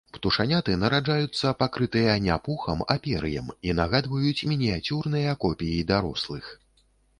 Птушаняты нараджаюцца пакрытыя не пухам, а пер'ем, і нагадваюць мініяцюрныя копіі дарослых.